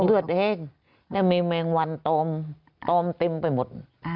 เลือดเองแล้วมีแมงวันตอมเต็มไปหมด